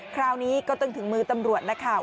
คราวนี้ก็ตึงถึงมือตำรวจนะคะ